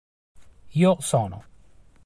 Io sono.